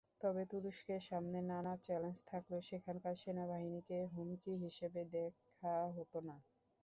তবে তুরস্কের সামনে নানা চ্যালেঞ্জ থাকলেও সেখানকার সেনাবাহিনীকে হুমকি হিসেবে দেখা হতো না।